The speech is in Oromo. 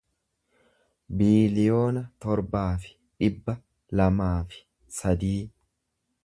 biiliyoona torbaa fi dhibba lamaa fi sadii